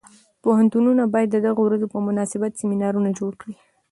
پوهنتونونه باید د دغو ورځو په مناسبت سیمینارونه جوړ کړي.